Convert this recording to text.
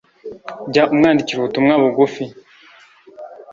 jya umwandikira ubutumwa bugufi